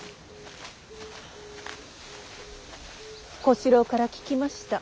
小四郎から聞きました。